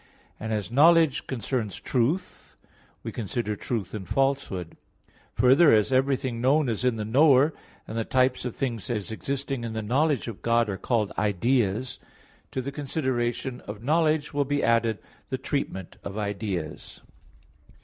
And as knowledge concerns truth, we consider truth and falsehood. Further, as everything known is in the knower, and the types of things as existing in the knowledge of God are called ideas, to the consideration of knowledge will be added the treatment of ideas.